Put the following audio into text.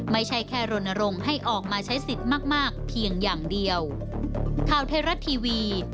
ไม่ใช่แค่รณรงค์ให้ออกมาใช้สิทธิ์มากเพียงอย่างเดียว